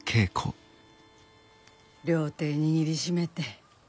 両手握りしめて。